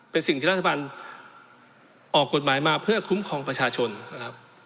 เป็นสิ่งที่รัฐบาลออกกฎหมายมาเพื่อคุ้มครองประชาชนนะครับ